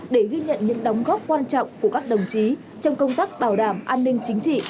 để ghi nhận những đóng góp quan trọng của các đồng chí trong công tác bảo đảm an ninh chính trị